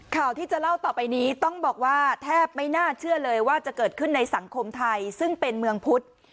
ข่าวที่จะเล่าต่อไปนี้ต้องบอกว่าแทบไม่น่าเชื่อเลยว่าจะเกิดขึ้นในสังคมไทยซึ่งเป็นเมืองพุทธ